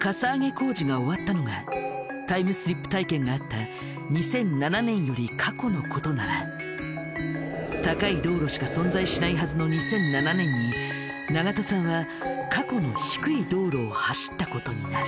工事が終わったのがタイムスリップ体験があった２００７年より過去のことなら高い道路しか存在しないはずの２００７年に長門さんは過去の低い道路を走ったことになる。